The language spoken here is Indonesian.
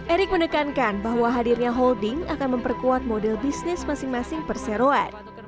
erick menekankan bahwa hadirnya holding akan memperkuat model bisnis masing masing perseroan